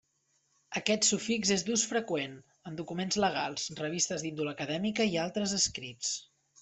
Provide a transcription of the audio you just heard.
Aquest sufix és d'ús freqüent en documents legals, revistes d'índole acadèmica i altres escrits.